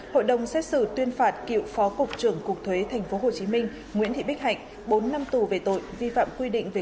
hội đồng xét xử tuyên phạt cựu phó cục trưởng cục thuế tp hcm nguyễn thị bích hạnh bốn năm tù về tội vi phạm quy định về